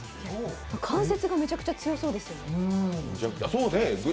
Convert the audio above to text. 関節がめちゃくちゃ強そうです。